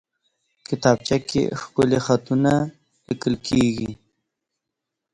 کتابچه کې ښکلي خطونه لیکل کېږي